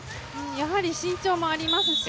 やはり身長もありますし